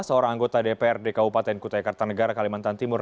seorang anggota dprd kabupaten kutai kartanegara kalimantan timur